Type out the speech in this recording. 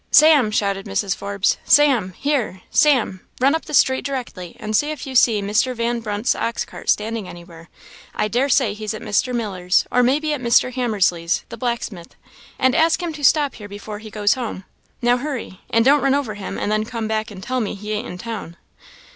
Sam!" shouted Mrs. Forbes "Sam! here! Sam, run up street directly, and see if you see Mr. Van Brunt's ox cart standing anywhere I dare say he's at Mr. Miller's, or maybe at Mr. Hammersley's, the blacksmith and ask him to stop here before he goes home. Now hurry! and don't run over him, and then come back and tell me he ain't in town."